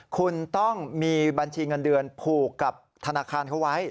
คุณต้องมีบัญชีเงินเดือนผูกกับธนาคารเขาไว้